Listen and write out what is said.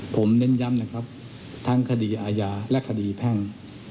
ผมเน้นย้ำนะครับทั้งคดีอาญาและคดีแพ่ง